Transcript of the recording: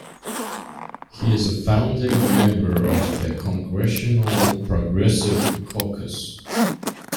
He is a founding member of the Congressional Progressive Caucus.